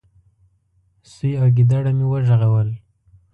. سوی او ګيدړه مې وغږول،